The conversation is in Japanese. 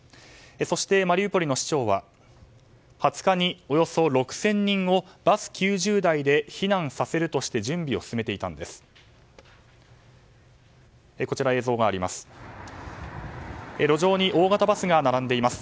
そしてマリウポリの市長は２０日に、およそ６０００人をバス９０台で避難させるとして準備を進めていたんです。